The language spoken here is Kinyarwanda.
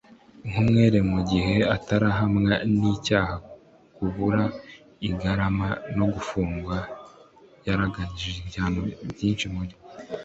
Nk umwere mu gihe atarahamwa n icyaha kubura igarama no gufungwa yararangije igihano ibyinshi muri